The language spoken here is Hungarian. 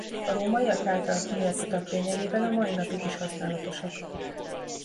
A rómaiak által kimért utak lényegében a mai napig is használatosak.